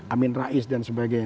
amin rais dan sebagainya